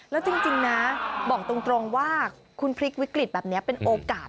แล้วจริงนะบอกตรงว่าคุณพลิกวิกฤตแบบนี้เป็นโอกาส